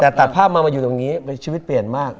แต่ตัดภาพมามาอยู่ตรงนี้ชีวิตเปลี่ยนมาก